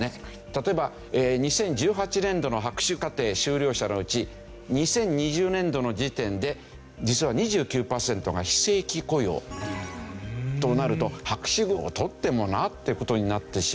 例えば２０１８年度の博士課程修了者のうち２０２０年度の時点で実は２９パーセントが非正規雇用となると博士号を取ってもなという事になってしまうという事で。